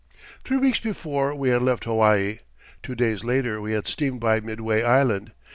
Three weeks before we had left Hawaii, two days later we had steamed by Midway Island.